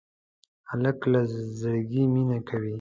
هلک له زړګي مینه کوي.